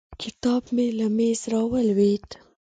کتاب مې له مېز راولوېد.